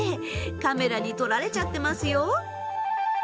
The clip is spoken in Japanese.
カメラに撮られちゃってますよ。